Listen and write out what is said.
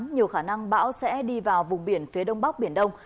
nhiều khả năng bão sẽ đi vào vùng biển phía đông bắc biển đông